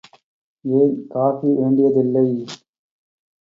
ஏன் காஃபி வேண்டியதில்லை?